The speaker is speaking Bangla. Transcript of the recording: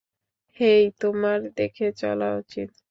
হেই, তোমার দেখে চলা উচিৎ।